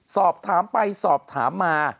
สอบถามไปสอบถามมา